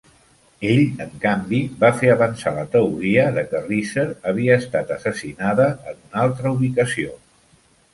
Ell, en canvi, va fer avançar la teoria de que Reeser havia estat assassinada en una altra ubicació.